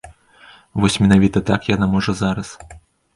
Вось менавіта так яна можа зараз.